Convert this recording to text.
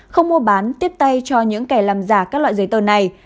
không mua bán tiếp tay cho những kẻ làm giả các loại giấy tờ này